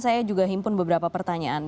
saya juga himpun beberapa pertanyaan